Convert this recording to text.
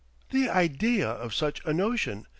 "The idea of such a notion!"